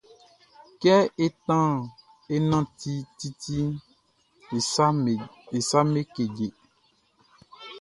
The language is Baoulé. Kɛ é nánti titiʼn, e saʼm be keje.